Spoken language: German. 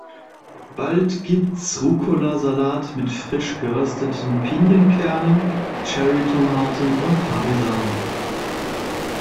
Bald gibt's Rucola-Salat mit frisch gerösteten Pinienkernen, Cherry-Tomaten und Parmesan.